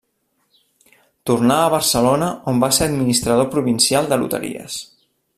Tornà a Barcelona on va ser administrador provincial de loteries.